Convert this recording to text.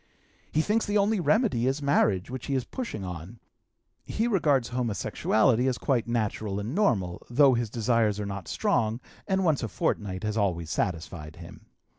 He thinks the only remedy is marriage, which he is pushing on. He regards homosexuality as quite natural and normal, though his desires are not strong, and once a fortnight has always satisfied him.